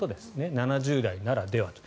７０代ならではと。